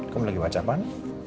kamu lagi baca apaan